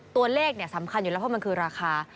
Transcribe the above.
ตัวเลขสำคัญอยู่แล้วเพราะมันคือราคา